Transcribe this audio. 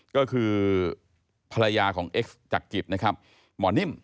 ก็คือภรรยาของเอ็กซ์จักริตนะครับหมอนิ่ม